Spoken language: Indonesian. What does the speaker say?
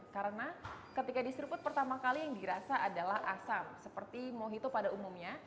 karena ketika diseruput pertama kali yang dirasa adalah asam seperti mojito pada umumnya